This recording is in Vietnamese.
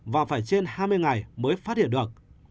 và phải trên hai mươi ngày mới phát hiện được